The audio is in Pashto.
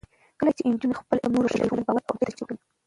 کله چې نجونې خپل علم نورو ته وښيي، ټولنه باور او همکارۍ تجربه کوي.